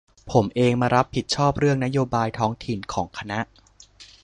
ผมเองมารับผิดชอบเรื่องนโยบายท้องถิ่นของคณะ